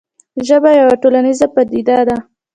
ژبه یوه ټولنیزه پدیده ده.